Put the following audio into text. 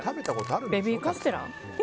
ベビーカステラ？